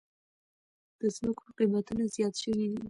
د زمکو قيمتونه زیات شوي دي